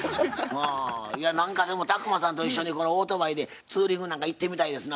まあいや何かでも宅麻さんと一緒にオートバイでツーリングなんか行ってみたいですな